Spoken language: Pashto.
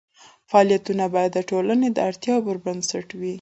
فعالیتونه باید د ټولنې د اړتیاوو پر بنسټ وي.